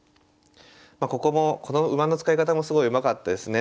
ここもこの馬の使い方もすごいうまかったですね。